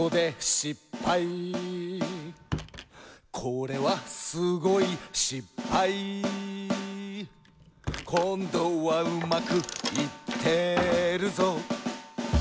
「これはすごいしっぱい」「こんどはうまくいってるぞ」